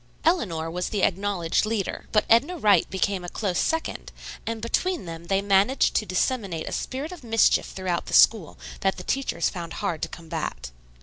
Eleanor was the acknowledged leader, but Edna Wright became a close second, and between them they managed to disseminate a spirit of mischief throughout the school that the teachers found hard to combat.